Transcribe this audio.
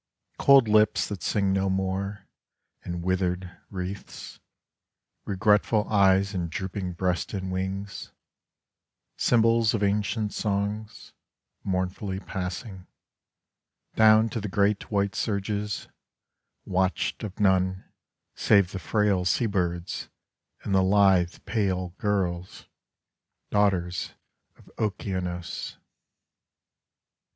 Cold lips that sing no more, and withered wreaths, Regretful eyes and drooping breasts and wings—Symbols of ancient songsMournfully passingDown to the great white surges, Watched of noneSave the frail sea birdsAnd the lithe pale girls, Daughters of Okeanos.